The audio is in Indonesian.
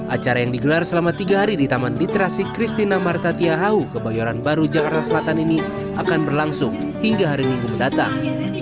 acara yang digelar selama tiga hari di taman literasi kristina marta tiahau kebayoran baru jakarta selatan ini akan berlangsung hingga hari minggu mendatang